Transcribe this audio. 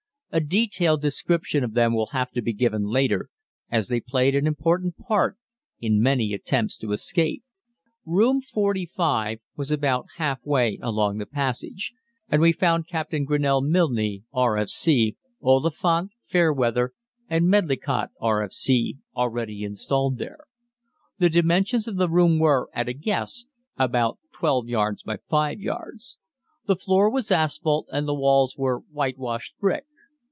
A detailed description of them will have to be given later, as they played an important part in many attempts to escape. Room 45 was about half way along the passage, and we found Captain Grinnell Milne, R.F.C., Oliphant, Fairweather, and Medlicott, R.F.C., already installed there. The dimensions of the room were, at a guess, about 12 yards by 5 yards. The floor was asphalt and the walls were whitewashed brick.